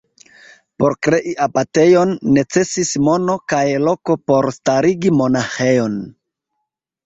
Por krei abatejon, necesis mono kaj loko por starigi monaĥejon.